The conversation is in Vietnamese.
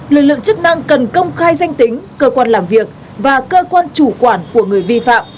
lực lượng chức năng cần công khai danh tính cơ quan làm việc và cơ quan chủ quản của người vi phạm